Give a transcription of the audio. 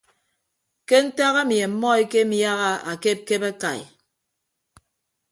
Ke ntak ami ammọ ekemiaha akepkep akai.